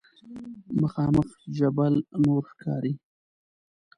مخامخ جبل نور ښکاري.